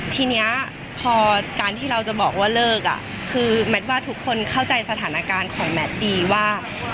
ทีนี้พอการที่เราจะบอกว่าเลิกคือแมทว่าทุกคนเข้าใจสถานการณ์ของแมทดีว่า